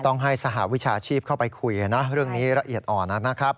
ต้องให้สหวิชาชีพเข้าไปคุยนะเรื่องนี้ละเอียดอ่อนนะครับ